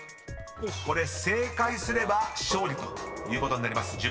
［これ正解すれば勝利ということになります］